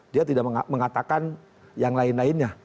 dia tidak mengatakan yang lain lainnya